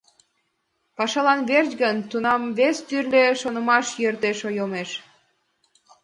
Пашалан верч гын - тунам вес тӱрлӧ шонымаш йӧршеш йомеш...